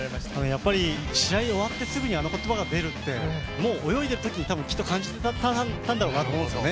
やっぱり、試合終わってあの言葉が出るってもう泳いでるときにきっと感じてたんだろうなと思うんですよ。